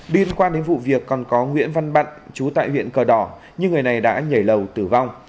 điên quan đến vụ việc còn có nguyễn văn bặn chú tại huyện cờ đỏ nhưng người này đã nhảy lầu tử vong